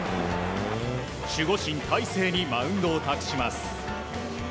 守護神大勢にマウンドを託します。